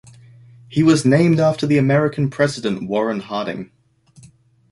He was named after the American president Warren Harding.